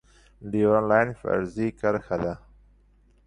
ډیورنډ لاین فرضي کرښه ده